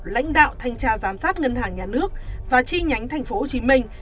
lãnh đạo thanh tra giám sát ngân hàng nhà nước và chi nhánh thành phố hồ chí minh